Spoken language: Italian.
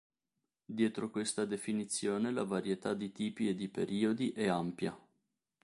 Dietro questa definizione la varietà di tipi e di periodi è ampia.